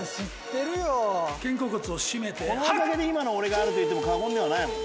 このおかげで今の俺があると言っても過言ではないもん。